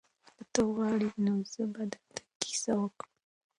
که ته غواړې نو زه به درته کیسه وکړم.